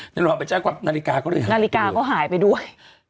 นาฬิกาก็หายไปด้วย